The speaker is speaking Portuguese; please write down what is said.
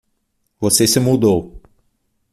Você se mudou